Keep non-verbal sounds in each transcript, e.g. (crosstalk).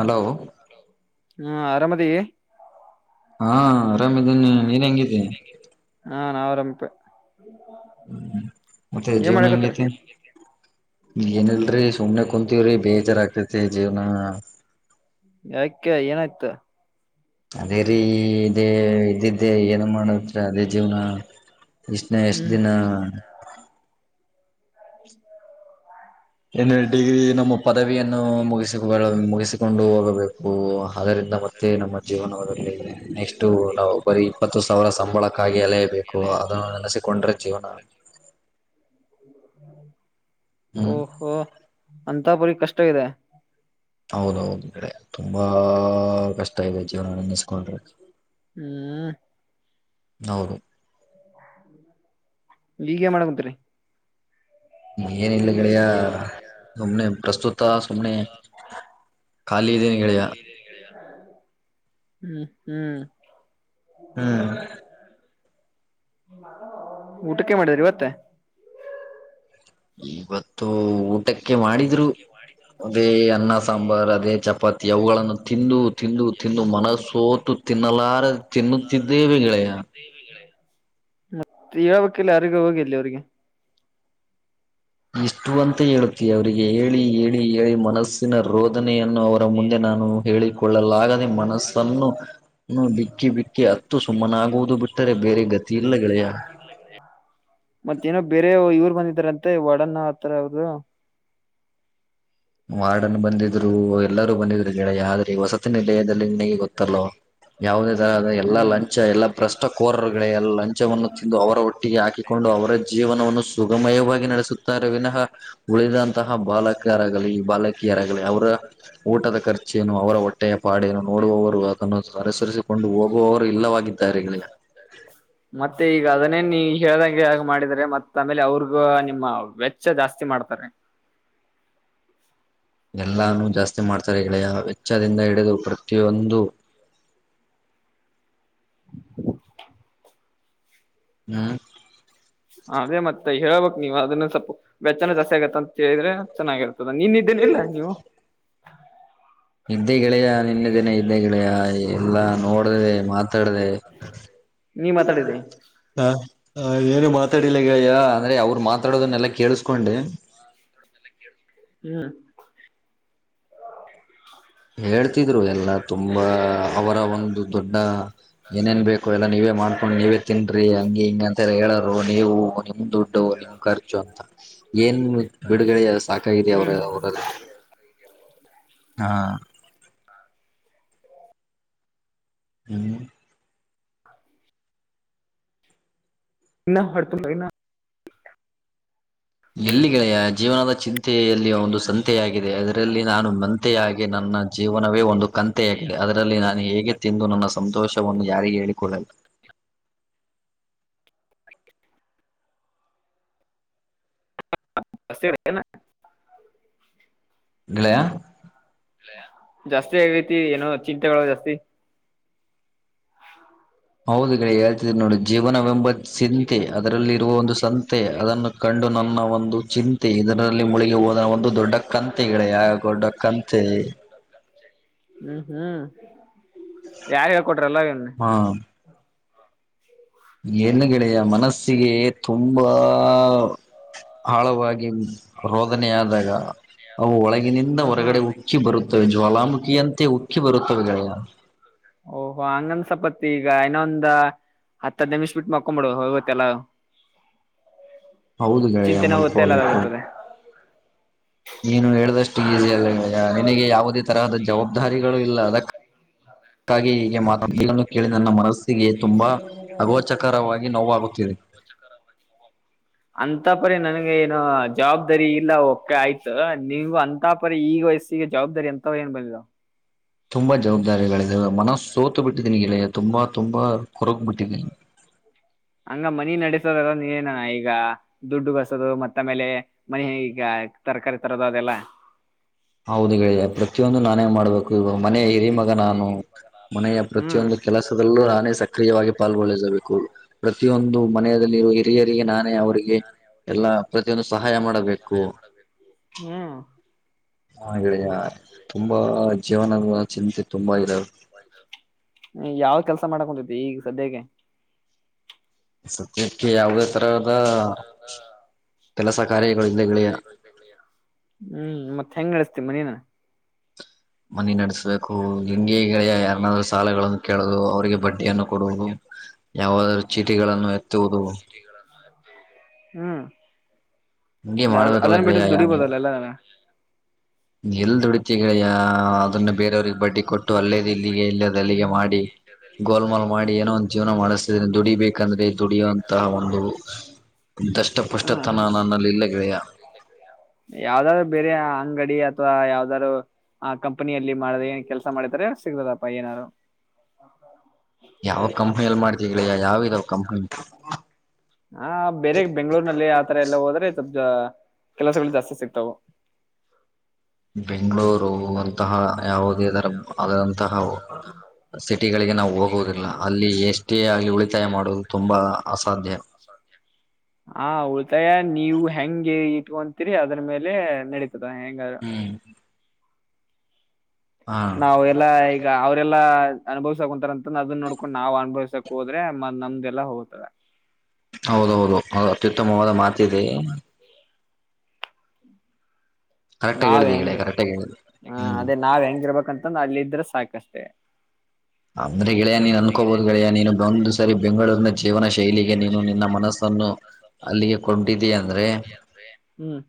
Hello ಹ್ಮ್ ಆರಾಮ್ ಇದೆಯೇ ಹಾ ಆರಾಮಿದ್ದೇನೆ ನೀನ್ ಹೆಂಗಿದ್ದ ಹಾ ನಾ ಆರಾಮಿಪೇ ಹ್ಮ ಮತ್ತೆ ಜವುನಗೆ ಮಾಡಕತ್ರಿ ಎತ್ತ ಏನಲ್ರೀ ಸುಮ್ನೆ ಕುಂತೀವ್ರಿ ಬೇಜಾರಾಗ್ತೇತಿ ಜೀವ್ನ. ಯಾಕೆ ಏನಾಯ್ತ ಅದೇ ರೀ ಇದೇ ಇದ್ದಿದ್ದೆ ಏನು ಮಾಡತ್ರ ಅದೇ ಜೀವನ. ಕೃಷ್ಣ ಎಷ್ಟ ಹ್ಮ್ ದಿನ (inaudible) (inaudible) ಏನ್ನು ಡಿಗ್ರಿ ನಮ್ಮ ಪದವಿಯನ್ನು ಮುಗಿಸ ಮುಗಿಸಿಕೊಂಡು ಹೋಗಬೇಕು ಹದರಿಂದ ಮತ್ತೆ ನಮ್ಮ ಜೀವನದಲ್ಲಿ ನೆಕ್ಸ್ಟು ನಾವು ಬರೀ ಇಪ್ಪತ್ತು ಸಾವಿರ ಸಂಬಳಕ್ಕಾಗಿ ಅಲೆಯಬೇಕು ಅದನ್ನ ನೆನಸಿಕೊಂಡ್ರೆ ಜೀವನ ಹ್ಮ್ ಓಹೋ ಅಂತ ಪರೀ ಕಷ್ಟ ಇದೆ. ಹೌದೌದು ಈ ಕಡೆ ತುಂಬಾ ಕಷ್ಟ ಇದೆ ಜೀವನ ನೆನಸ್ ಹ್ಮ್ ಹೌದು ಈಗೇನ್ ಮಾಡಾಕುಂತಿರೀ ಏನಿಲ್ಲ ಗೆಳೆಯ ಸುಮ್ನೆ ಪ್ರಸ್ತುತ ಸುಮ್ನೆ ಖಾಲಿ ಇದ್ದೀನಿ ಗೆಳಿಯ ಹ್ಮ್ ಹ್ಮ್ ಹ್ಮ್ ಊಟಕ್ಕೇನ್ ಮಾಡಿರಿ ಇವತ್ತ ಇವತ್ತು ಊ ಟಕ್ಕೆ ಮಾಡಿದ್ರು ಅದೇ ಅನ್ನ ಸಾಂಬಾರ್ ಅದೇ ಚಪಾತಿ ಅವುಗಳನ್ನು ತಿಂದು ತಿಂದು ತಿಂದು ಮನಸ್ಸೋತು ತಿನ್ನಲಾರ ತಿನ್ನುತ್ತಿದ್ದೇವೆ ಗೆಳೆಯ ಮತ್ತೆ ಹೇಳ್ಬೇಕಿಲ್ಲ ಯಾರಿಗೆ ಹೋಗಿಲ್ಲಿವ್ರಿಗೆ ಇಷ್ಟು ಅಂತ ಹೇಳುತ್ತೀ ಅವರಿಗೆ ಹೇಳಿ ಹೇಳಿ ಹೇಳಿ ಮನಸ್ಸಿನ ರೋದನೆಯನ್ನು ಅವ ಮುಂದೆ ನಾನು ಹೇಳಿಕೊಳ್ಳಲಾಗದೆ ಮನಸ್ಸನ್ನು ಬಿಕ್ಕಿ ಬಿಕ್ಕಿ ಅತ್ತು ಸುಮ್ಮನಾ (unintelligible) ಮತ್ತೇನೋ ಬೇರೆ ಇವ್ರ್ ಬಂದಿದ್ರಂತೆ ವಾರ್ಡನ್ನ ಆತಾರ ಅವರು ವಾರ್ಡನ್ ಬಂದಿದ್ರು ಎಲ್ಲಾರೂ ಬಂದಿದ್ರು ಗೆಳೆಯ ಅದ ಈ ವಸತಿ ನಿಲಯದಲ್ಲಿ ನಿನಗೆ ಗೊತ್ತಲ್ಲೋ ಯಾವುದೇ ತರ ಎಲ್ಲಾ ಹ್ಮ್ ಲಂಚ ಎಲ್ಲಾ ಭ್ರಷ್ಟ ಕೋರರುಗಳೆ ಎ ಲಂಚವನ್ನು ತಿಂದು ಅವರ ಹೊಟ್ಟೆಗೆ ಹಾಕಿಕೊಂಡು ಅವರ ಜೀವನವನ್ನು ಸುಗಮಯವಾಗಿ ನಡೆಸುತ್ತಾರೆ ವಿನಃ. ಉಳಿದಂತಹ ಬಾಲಕರಾಗಲಿ ಈ ಬಾಲಕ್ ಗಿಯರಾಗಲಿ ಅವರ ಊಟದ ಖರ್ಚೇನು ಅವರ ಹೊಟ್ಟೆಯ ಪಾಡೇನು ನೋಡುವವರು ಅದನ್ನು ಅರಸರಿಸಿಕೊಂಡ್ ಹೋಗುವವರು ಇಲ್ಲವಾಗಿದ್ದಾರೆ ಗೆಳೆಯ ಮತ್ತೆ ಈಗ ಅದನ್ನೇ ನೀ ಹೇಳ್ದಂಗೆ ಮಾಡಿದ್ರೆ ಮತ್ ಆಮೇಲೆ ಅವ್ರಿಗೂ ನಿಮ್ಮ ವೆಚ್ಚ ಜಾಸ್ತಿ ಮಾಡ್ತಾರೆ. ಎಲ್ಲಾನು ಜಾಸ್ತಿ ಮಾಡ್ತಾರೆ ಗೆಳೆಯ ವೆಚ್ಚದಿಂದ ಹಿ ಡಿದು ಪ್ರತಿಯೊಂದು ಹ್ಮ್ ಅದೇ ಮತ್ತೆ ಹೇಳ್ಬಬೇಕ್ ನೀವು ಅದನ್ನ ಸ್ವಲ್ಪ ವೆಚ್ಚನ ಜಾಸ್ತಿ ಆಗತ್ತ ಅಂತ ಹೇಳಿದ್ರೆ ಚೆನ್ನಾಗಿರುತ್ತೆ. ನಿನ್ನೆ ಇದ್ದೆನಿಲ್ಲ ನೀವು ಇದ್ದೇ ಗೆಳೆಯ ನಿನ್ನೆ ದಿನ ಇದ್ದೆ ಗೆಳೆಯ ಎಲ್ಲಾ ನೋಡ್ದೇ ಮಾತ್ ತಡದೆ ನೀ ಮಾತಾಡಿದಿ ಹಾ ಹಾ ಏನು ಮಾತಾಡಿಲ್ಲ ಗೆಳೆಯ ಅಂದ್ರೆ ಅವ ಮಾತಾಡೋದನ್ನೆಲ್ಲ ಕೇಳಸ್ಕೊಂಡೆ. ಹ್ಮ ಹೇಳ್ತಿದ್ರು ಎಲ್ಲಾ ತುಂಬಾ ಅವರ ಒಂದು ದೊಡ್ಡ ಏನೇನ್ಬೇಕು ಲ್ಲ ನೀವೇ ಮಾಡ್ಕೊಂಡು ನೀವೇ ತಿನ್ರೀ ಹಂಗೆ ಹಿಂಗೆ ಅಂತ ಹೇಳರು ನೀವು ನಿಮ್ ದುಡ್ಡು ನಿಮ್ ಖರ್ಚು ಅಂತ ಏನ್ ಬಿಡುಗಡೆ ಸಾಕಿದ ಅವ್ರ ಹ್ಮ್ ಅವರ (unintelligible) ಹಾ ಹ್ಮ ಇ ಹೊರ್ತು ಇ ಎಲ್ಲಿಗೆೆಯ ಜೀವನದ ಚಿಂತೆಯಲ್ಲಿ ಒಂದು ಸಂತೆೆಯಾಗಿದೆ ಅದರಲ್ಲಿ ನಾನು ಮ ಯಾಗಿ ನನ್ನ ಜೀವನವೇ ಒಂದು ಕಂತೆಯಾಗಿದೆ ಅದರಲ್ಲಿ ನು ಹೇಗೆ ತಿಂದು ನನ್ನ ಸಂತೋಷವನ್ನು ಯಾರಿಗೆ ಹೇಳಿಕೊಳ್ಳಲಿ. ಬ (unintelligible) (inaudible) ಜಾಸ್ತಿ ಹಾಗಾಯ್ತು ಏನೋ ಚಿಂತೆಗಳು ಜಾಸ್ತಿ ಹೌದು ಗೆಳೆಯ ನೋಡಿ ಜೀವನವೆಂಬ ಚಿಂತೆ ಅದರಲ್ಲಿ ಇರುವ ಒಂದು ಸಂತೆ ಅದನ್ನು ಕಂಡು ನನ್ನ ಒಂದು ಚಿಂತೆ ಇದರಲ್ಲಿ ಮುಳಗಿ ಹೋದ ಒಂದು ದೊಡ್ಡ ಕಂತೆಗಳ ಯ ದೊಡ್ಡ ಕಂತೆ. ಹ್ಮ್ ಹ್ಮ್ ಯಾರ್ ಹೇಳ್ಕೊಟ್ರಲ್ಲ ಅವನ್ನ ಏನುರ ಯ ಮನಸ್ಸಿಗೆ ತುಂಬಾ ಆಳವಾಗಿ ರೋದನ ಆದಾಗ ಅವು ಒಳಗಿನಿಂದ ಹ್ಮ್ ಹ್ಮ್ ಹೊರಗಡೆ ಉಕ್ಕಿ ಬರುತ್ತವೆ ಜ್ವಾಲಾಮುಖಿಯ ಅಂತೆ ಉಕ್ಕಿ ಬರುತ್ತವೆ. ಯ (unintelligible) ಓಹೋ ಹಂಗಂದ್ಸಪತಿ ಈಗ ಇನ್ನೊ ಒಂದ ಹತ್ತ ಹ್ಮಿಸ್ ಬಿಟ್ಟ ಮಾಡಕೊಂಬಿಡು ಇವತ್ತ ಎಲ್ಲ ಹೌದು ಗೆಳೆಯ ಮಲ್ಕ ಹೋಗುತ್ತೆ ಹೋಗ ಎಲ್ಲ ಆಗುತ್ತದೆ ನೀನು ಹೇಳ್ದಷ್ಟು ಈಸಿ ಅಲ್ಲ ಗೆಳೆಯ ನಿನಗೆ ಯಾವುದೇ ತರಹದ ಜವಾಬ್ದಾರಿಗಳು ಇಲ್ಲ ಅದಕ್ಕೆ. ಅದಕ್ಕಾಗಿ ಹೀಗೆ ಮಾತತಿಗಳನ್ನು ಕೇಳಿ ನನ್ನ ಮನಸ್ಸಿಗೆ ತುಂಬಾ ಅಗೋಚಕರವಾಗಿ ನೋವಾಗುತ್ತಿದೆ. ಅಂತ ರಿ ನನಗೆ ಏನು ಜವಾಬ್ದಾರಿ ಇಲ್ಲ ಕೆ ಆಯ್ತು ನಿಮ ಅಂತ ಪರಿ ಈಗ ವಯಸ್ಸಿಗೆ ಜವಾಬ್ದಾರಿ. ಎಂತ ಏನ್ ಬಂದಿಲ್ಲ ತುಂಬಾ ಜವಾಬ್ದಾರಿಗಳೆ ಮನಸ್ ಸೋತ ಬಿಟ್ಟಿದ್ದೀನಂಗಲ್ಲ ತುಂಬಾ ತುಂಬಾ ಕುರಕ ಬಿಟ್ಟಿದ್ದೀ ಹಂಗ ಮನಿ ನಡೆಸೋದಲ್ಲ ಏನ ಈಗ ದುಡ್ಡು ಕಸೋದು ಮತ್ತಮೇಲೆ ಮನ ಹ ಈಗ ತರಕಾರಿ ತರೋದ ಅದೆಲ್ಲ ಹೌದು ಹೇಳಿದೆ ಪ್ರತಿಯೊಂದು ನಾನೇ ಮಾಡ್ಬೇಕು ಇವ ಮನೆ ಇರಿ ಮಗ ನಾನು ಮನೆಯ ಹ್ಮ್ ಪ್ರತಿಯೊಂದು ಕೆಲಸದಲ್ಲೂ ಹಾನೇ ಸಕ್ರಿಯವಾಗಿ ಪಾಲ್ಗೊಳ್ಳಿಸಬೇಕು ಪ್ರತಿಯೊಂದು ಮನೆಯಲ್ಲಿ ಹಿರಿಯರಿಗೆ ನಾನೇ ಅವರಿಗೆ ಎಲ್ಲಾ ಪ್ರತಿಯೊಂದು ಸಹಾಯ ಮಾಡಬೇಕು ಹ್ಮ್ ಹಡ ತುಂಬಾ ಜೀವನದ ಚಿಂತೆ ತುಂಬ ಇದವೆ ಹ್ಮ್ ಯಾವ ಕೆಲಸ ಮಾಡಕ್ ಹೊಂತೈತಿ ಈಗ ಸದ್ಯಕ್ಕೆ ಸತ್ಯಕ್ಕೆ ಯಾವುದೇ ತರದ ಕೆಲಸ ಕಾರ್ಯಗಳು ಇಲ್ದೆ ಗೆಳೆಯ ಹ್ಮ್ ಮತ್ತ ಹೆಂಗ್ ನಡೆಸ್ತೀ ಮನಿನ (inaudible) ಮನೆಿ ನಡೆಸಬೇಕು ಲಿಂಗಿಳ ಯಾರನಾದ್ಯ ಸಾಲಗಳನ್ನು ಕೆೇಳದು ಅವ್ರರಿಗೆ ಬಡ್ಡಿಯನ್ನು ಕೊಡುವುದು ಯಾವಾದರೂ ಚೀಟಿಗಳನ್ನು ಎತ್ತುವುದು ಹ್ಮ್ ಹಂಗೆ ಮಾಡ್ಬೇಕಲ್ಲ ಅದನ್ ಬಿಟ್ಟು ಗೆಳೆಯ ದುಡಿಬೋದಲ್ಲ ಎಲ್ಲಾ ನಾವ ಎಲ್ ದೊಡ ಅದನ್ನು ಬೇರೆಯವ್ರಿಗೆ ಬಡ್ಡಿ ಕೊಟ್ಟು ಅಲ್ಲೇದು ಇಲ್ಲಿಗೆ ಇಲ್ಲ ಅಲ್ಲಿಗೆ ಮಾಡಿ ಗೋಲ್ಮಲ್ ಮಾಡಿ ಏನೋ ಒಂದು ಜೀವನ ಮಾಡಿಸ್ತೇನೆ ದುಡಿಬೇಕಂದ್ರೆ ದುಡಿಯುವಂತಹ ಒಂದು ದಷ್ಟಪುಷ್ಟ ಹ್ಮ್ ದಷ್ಟಪಸ್ಟ ನನ್ನಲ್ಲಿ ಇಲ್ಲ ಗೆಳೆಯ ಯಾವ್ದಾದ್ರು ಬೇರೆ ಅಂಗಡಿ ಅಥವಾ ಯಾವ್ದಾರರು ಆ ಕಂಪನಿಯಲ್ಲಿ ಮಾಡ ಏನ್ ಕೆಲಸ ಮಾಡಿದಾರೆ ಸಿಗ್ತದಪ್ಪ ಏನಾರು ಯಾವ ಕಂಪನಿ ಮಾಡ್ದೆ ಗೆಳೆಯ ಯಾವ ಇದಾವ ಕಂಪನಿ ಗೆಳೆಯ ಹ ಬೇರೆ ಬೆಂಗಳೂರು ಆತರ ಎಲ್ಲಾ ಹೋದ್ರೆ ಇತ ಕೆಲಸಗಳು ಜಾಸ್ತಿ ಸಿಗ್ತಾವ ಬೆಂಗಳೂರು ಅಂತಹ ಯಾವುದೇ ಇದರ ಆದಂತಹ ಸಿಟಿ ಸಿಟಿಗಳಿಗೆ ನಾವು ಹೋಗೋದಿಲ್ಲ ಅಲ್ಲಿ ಎಷ್ಟೇ ಆಗ್ಲಿ ಉಳಿತಾಯ ಮಾಡುವುದು ತುಂಬಾ ಅಸಾಧ್ಯ. ಹ ಉಳತಾಯ ನೀವು ಹೆಂಗೆ ಇಟ್ಕೊಂತೀರಿ ಅದ್ರ ಮೇಲೆ ನಡಿತ್ ಅದ ಹೆಂಗರ. ಹ್ಮ್ ಹಾ ನಾವು ಎಲ್ಲಾ ಈಗ ಅವರೆಲ್ಲಾ. ಅನುಭವ್ಸಕ್ ಕುಂತಾರ ಅಂತಂದ ಅದನ್ನ ನೋಡ್ಕೊಂಡ್ ನಾವ್ ಅನುಭವ್ಸಕ್ ಹೋದ್ರೆ ನಮ್ದದೆಲ್ಲ ಹೋತದ. ಹೌದೌದು ಅದು ಅತ್ಯುತ್ತಮವಾದ ಮಾತಿದೆ. ಕರೆಕ್ಟಾಗಿ ನಾವ್ ಹೇಳಿದೆ ಹೆಂಗ ಗೆಳೆಯ ಕರೆಕ್ಟಾಗಿ ಹೇಳಿದೆ ಹ ಹ್ಮ್ ಅದೇ ನಾವ್ ಹೆಂಗ ಇರ್ಬೇಕಂತಂದ ಅಲ್ಲಿ ಇದ್ರ ಸಾಕಷ್ಟೆ. ಅಂದ್ರೆ ಗೆಳೆಯ ನೀನ್ ಅನ್ಕೋಬಹುದು ಗೆಳೆಯಾ ನೀನು ಒಂದ್ ಸರಿ ಬೆಂಗಳೂರಿನ ಜೀವನ ಶೈಲಿಗೆ ನೀನು ನಿನ್ನ ಮನಸ್ಸ ನಿನ್ನ ಮನಸನ್ನು ಅಲ್ಲಿಗೆ ಕೊಟ್ಟಿದೀಯ ಅಂದ್ರೆ ಹ್ಮ್.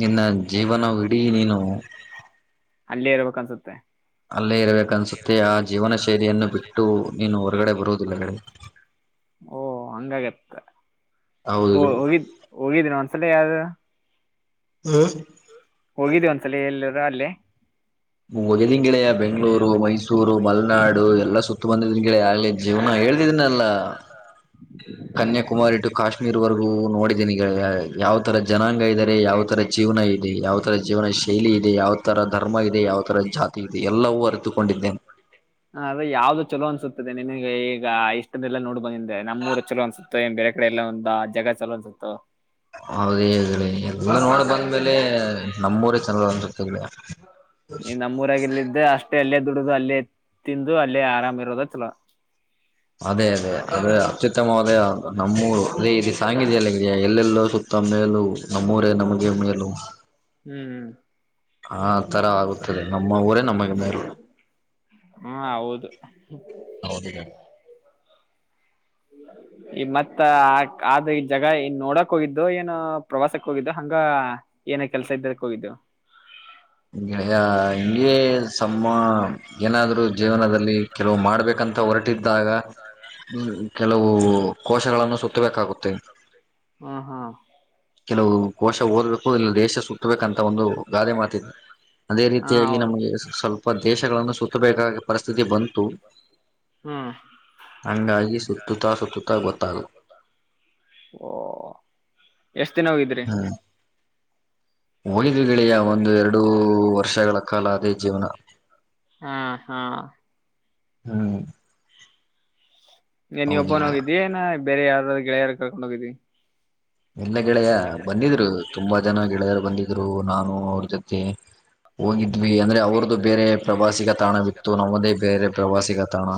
ನಿನ್ನ ಜೀವನ ಇಡಿ ನೀನು. ಕಾಣಸುತ್ತೆ. ಅಲ್ಲೇ ಇರಬೇಕ ಅಲ್ಲೆ ಅನ್ಸುತ್ತೆ ಇರಬೇಕ ಆ ಅನಿಸುತ್ತೆ ಜೀವನ ಆ ಶೈಲಿಯನ್ನು ಜೀವನ ಶೈಲಿ ಬಿಟ್ಟು ಅನ್ನು ನೀನು ಬಿಟ್ಟು ಹೊರಗಡೆ ನೀನು ಬರುವುದಿಲ್ಲ ಹೊರಗಡೆ ಗೆಳೆಯ ಓ ಹಂಗ್ ಆಗ್ಯದ. ಓ ಹೌದು ಹೋಗಿದ್ ಹೋಗಿದೇನ ಒಂದ್ಸಲ ಯಾವ್ದ ಹೋಗಿದೀ ಒಂದ್ಸಲೆ ಎಲ್ಲದ ಅಲ್ಲೇ. ಹೊಗೆದಿನ ಗೆಳೆಯ ಬೆಂಗಳೂರು ಮೈಸೂರು ಮಲ್ನಾಡು ಎಲ್ಲಾ ಸುತ್ತ ಬಂದಿದಿನಿ ಗಳೆಯ ಆಗ್ಲೇ ಜೀವನ ಆ ಹೇಳ್ತಿದೀನಲ್ಲ. ಕನ್ಯಾಕುಮಾರಿ ಟು ಕಾಶ್ಮೀರ್ವರೆಗೂ ನೋಡಿದ್ದೀನಿ ಗೆಳೆಯ ಯಾವ ತರ ಜನಾಂಗ ಇದ್ದಾರೆ ಯಾವ ತರ ಜೀವನ ಇದೆ ಯಾವ ತರ ಜೀವನ ಶೈಲಿ ಇದೆ ಯಾವ ತರ ಧರ್ಮ ಇ ಹಬ್ಬ ಇದೆ ಯಾವ್ ತರ ಜಾತಿ ಇದೆ ಎಲ್ಲಾ ಬರೆದುಕೊಂಡಿದ್ದೇನೆ ಹ ಅದೆ ಯಾವ್ದು ಚಲೋ ಅನ್ಸುತ್ತದೆ ನಿನಗೆ ಈಗ ಇಷ್ಟನೆಲ್ಲ ನೋಡ್ ಬಂದೆ ನಮ್ಮ ಊರ ಚಲೋ ಅನ್ಸುತ್ತೆ ಬೇರೆ ಕಡೆ ಎಲ್ಲ ಒಂತಾ ಜಗ ಏ ಚಲೋ ಅನ್ಸುತ್ತೊ. ಹೌದ್ರಿ ಈ ಇಲ್ಲಿ ಎಲ್ಲ ನೋಡ ಬಂದ್ಮೇಲೆ ನಮ್ಮೂರೆ ಚಲೋ ಅನ್ಸುತ್ತೆ ಬಿ ಇನ್ ನಮ್ಮೂರಾಗಿಲ್ಲಿದ್ದೆ ಅಷ್ಟೇ ಅಲ್ಲೇ ದುಡ್ದ ಅಲ್ಲೇ ತಿಂದು ಅಲ್ಲೇ ಆರಾಮ್ ಇರೋದ ಚಲೋ. ಅದೇ ಅದೇ ಅದೇ ಅತ್ಯುತ್ತಮವಾದ ನಮ್ಮೂರು ಅದೇ ಇಲ್ಲಿ ಸಾಂಗ ಇದೆಯಲ್ಲ ಎಲ್ಲೆಲ್ಲು ಸುತ್ತ ತಮ್ನೇ ಎಲ್ಲು ನಮ್ಮೂರೇ ನಮಗೆ ಮೇಲು. ಹ್ಮ್ ಆತರ ಆಗುತ್ತದೆ ನಮ್ಮ ಊರೇ ನಮಗೆ ಮೇಲು. ಹ್ಮ ಹೌದು ಹೌದು ಗೆಳೆಯ (inaudible) (inaudible) ಈ ಮತ್ತ ಆ ಆದ ಈ ಜಗ ಇನ್ ನೋಡಕ್ ಹೋಗಿದ್ದೊ ಏನು ಪ್ರವಾಸಕ್ ಹೋಗಿದ್ದ ಹಂಗ ಏನ ಕೆಲ್ಸ ಇದ್ದಕ ಹೋಗಿದ್ದೊ. ಹ್ಯ ಹಿಂಗೆ ಸಮ್ಮೋ ಏನಾದ್ರ ಜೀವನದಲ್ಲಿ ಕೆಲವು ಮಾಡ್ಬೇಕಂತ ಹೊರ ತ್ತಾಗ ಹ್ಮ್ ಕೆಲವು ಕೋಶಗಳನ್ನು ಸುತ್ತಬೇಕಾಗುತ್ತೆ.. ಹ್ ಕೆಲವು ಕೋಶ ಓದ್ಬೇಕು ಇಲ್ಲ ದೇಶ ಸುತ್ತಬೇಕಂತ ಒಂದು ಗಾದೆ ಮಾತಿದೆ. ಅದೇ ಹಾ ರೀತಿಯಾಗಿ ನಮಗೆ ಸ್ವಲ್ಪ ದೇಶಗಳನ್ನು ಸುತ್ತಬೇಕಾಗಿ ಪರಿಸ್ಥಿತಿ ಬಂತು. ಹ್ಮ್ ಹಂಗಾಗಿ ಸುತ್ತುತ್ತಾ ಸುತ್ತುತ್ತಾ ಗೊತ್ತಾಗು. ಓ ಎಷ್ಟ ದಿನ ಹೋಗಿದ್ರಿ. ಹ್ಮ್ ಹೋಗಿದ್ವಿ ಗೆಳೆಯ ಒಂದು ಎರಡು ವರ್ಷಗಳ ಕಾಲ ಅದೇ ಜೀವನ. ಹಾ ಹಾ ಹ್ಮ್ ಏನ್ ನಿ ಹೌದು ಒಬ್ಬೋನೆ ಗೆಳೆಯ ಹೋಗಿದ್ದಿ ಎನ್ ಬೇರೆ ಯಾವ್ದಾದ್ರು ಗೆಳೆಯರು ಕರ್ಕೊಂಡು ಹೋಗಿದ್ದಿ. ಎಲ್ಲ ಗೆಳೆಯ ಬಂದಿದ್ರು ತುಂಬಾ ಜನ ಗೆಳೆಯರು ಬಂದಿದ್ರು ನಾನು ಅವ್ರಿ ಜೊತೆ ಹೋಗಿದ್ದ ನಮಿಗೆ ಅಂದ್ರೆ ಅವ್ರದ್ದು ಬೇರೆ ಪ್ರವಾಸಿಗ ತಾಣ ವಿತ್ತು ನಮ್ಮದೇ ಬೇರೆ ಪ್ರವಾಸಿಗ ತಾಣ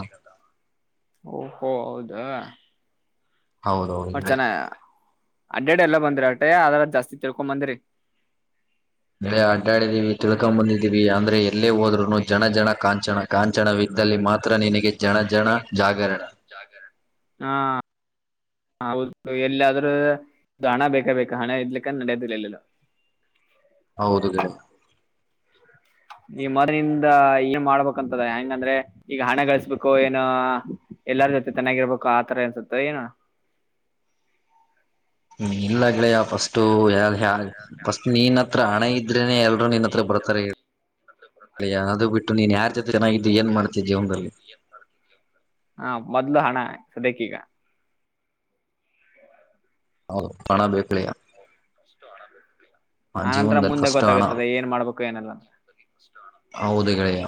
ಓಹೋ ಹೌದಾ. ಹೌದೌದು ಹೊಟ್ ಚೆನ್ನ ಅಡ್ಡ ಅಡ್ ಎಲ್ಲ ಬಂದ್ರಿ ಅಟ ಅದ್ರ ಜಾಸ್ತಿ ತಿಳ್ಕೊ ಬಂದ್ರಿ (unintelligible) ನ ಅಡ್ಡಾಡಿದೀವಿ ತಿಳ್ಕೊಂಡ ಬಂದಿದ್ದೀವಿ ಅಂದ್ರೆ ಎಲ್ಲೇ ಹೋದ್ರುನು ಜನ ಜನ ಕಾಂಚನ ಕಾಂಚನವಿದ್ದಲ್ಲಿ ಮಾತ್ರ ನಿನಗೆ ಜನ ಜನ ಜಾಗರಣೆ ಹಾ ಹ ಹೌದು ಎಲ್ಲಾದ್ರೂ ಹಣ ಬೇಕೇ ಬೇಕ ಹಣ ಇರ್ಲಿಕಾ ಅಂದ್ರ ನಡದಿಲ್ಲ ಎಲ್ಲೂ ಹೌದು ಗೆಳೆಯಾ. ಈ ಮಾರ್ಡೆನ್ಇಂದ ಏನ್ ಮಾಡ್ಬೇಕಂತದ ಹೆಂಗಂದ್ರೆ ಈಗ ಹಣಗಳಸ್ಬೇಕು ಏನ ಎಲ್ಲಾರ ಜೊತೆ ಚೆನ್ನಾಗಿರ್ಬೇಕು ಆತರ ಅನ್ಸುತ್ತೆ ಏನ ಇಲ್ಲ ಗೆಳೆಯಾ ಫಸ್ಟು ಫಸ್ಟ್ ನೀನ್ ಹತ್ರ ಹಣ ಇದ್ರೇನೆ ಎಲ್ರೂ ನಿನ್ ಹತ್ರ ಬರ್ತಾರೆ. ಅದು ಬಿಟ್ಟು ನೀನ್ ಯಾರ ಮೊದ್ಲು ಹಣ ಸದ್ಯಕ್ಕೆ ಈಗ. ಹೌದು ಹಣ ಬೇಕ ಗೆಳೆಯ ಆ ಆನಂತರ ಜೀವನದಲ್ಲಿ ಮುಂದೆ ಫಸ್ಟ್ ಹಣ ಗೊತ್ತಾಗತ್ತದ ಏನ್ ಮಾಡ್ಬೇಕು ಏನಿಲ್ಲ ಅಂತ ಹೌದು ಗೆಳೆಯಾ.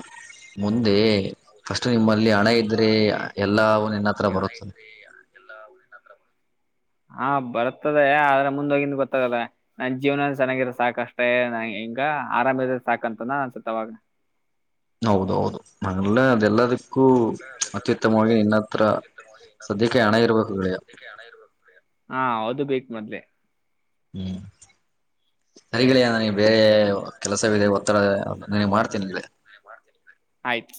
ಮುಂದೆ ಕಷ್ಟ ಟೈಮ್ ಅಲ್ಲಿ ಹಣ ಇದ್ರೆ ಎಲ್ಲಾ ಒಂದ (unintelligible) ಹಾ ಬರ್ತದೆ ಆದ್ರೆ ಮುಂದ ಹೋಗಿಂದ ಗೊತ್ತಾಗಲ್ಲ ನನ್ ಜೀವನ ಚೆನ್ನಾಗಿರ ಸಾಕಷ್ಟೇ ನನಿಗೆ ಹಿಂಗ ಆರಾಮಿದ್ರೆ ಸಾಕಂತ ನ ಅನ್ಸುತ್ತವಾಗ (unintelligible) ಹೌದೌದು ನಂಗಲ್ಲ ಅದೆಲ್ಲದಕ್ಕೂ ಅತ್ಯುತ್ತಮವಾಗಿ ನಿನ್ನತ್ರ ಹಾ ಅದು ಬೇಕ್ ಮೊದಲೇ ಹ್ಮ್ ಸರಿ ಗೆಳೆಯ ನನಗೆ ಬೇರೆ ಕೆಲಸವಿದೆ ಒತ್ತಡ ನನ ಮಾಡ್ತೇನ ನಿಂಗೆ ಆಯ್ತ್.